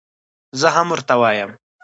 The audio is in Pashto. زه هم ورته وایم.